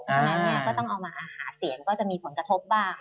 เพราะฉะนั้นเนี่ยก็ต้องเอามาหาเสียงก็จะมีผลกระทบบ้าง